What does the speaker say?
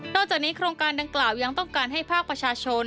จากนี้โครงการดังกล่าวยังต้องการให้ภาคประชาชน